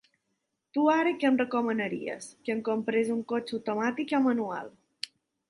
Tu ara que me recomanaries que em compres un cotxe automàtic o manual?